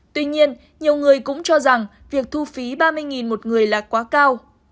tuy nhiên nhiều người cũng cho rằng việc thu phí ba mươi một người là quá cao